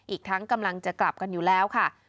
อีกทั้งกำลังจะกลับกันอยู่แล้วค่ะ